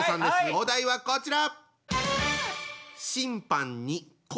お題はこちら！